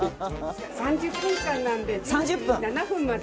３０分間なので１０時７分まで。